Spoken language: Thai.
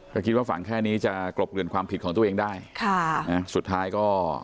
ก็คิดว่าฝังแค่นี้จะกลบเกลื่อนความผิดของตัวเองได้ค่ะนะสุดท้ายก็